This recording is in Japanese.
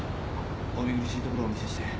お見苦しいところをお見せして。